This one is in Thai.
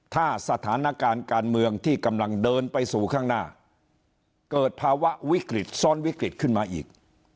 ถ้าสถานการณ์การเมืองที่กำลังเดินไปสู่ข้างหน้าเกิดภาวะวิกฤตซ้อนวิกฤตขึ้นมาอีก